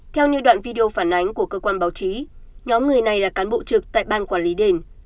theo như đoạn video phản ánh của cơ quan báo chí nhóm người này là cán bộ trực tại ban quản lý đền